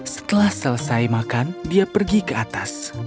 setelah selesai makan dia pergi ke atas